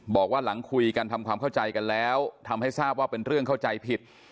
บอกว่าหลังคุยกันทำความเข้าใจกันแล้วทำให้ทราบว่าเป็นเรื่องเข้าใจผิด